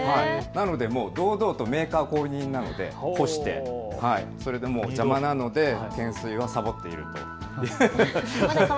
堂々とメーカー公認なので干して邪魔なので懸垂はさぼっていると。